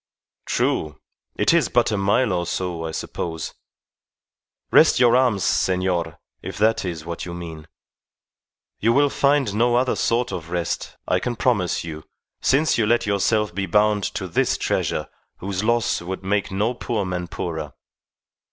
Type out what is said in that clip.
"True. It is but a mile or so, I suppose. Rest your arms, senor, if that is what you mean. You will find no other sort of rest, I can promise you, since you let yourself be bound to this treasure whose loss would make no poor man poorer.